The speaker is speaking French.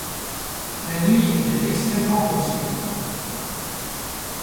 La nuit était extrêmement obscure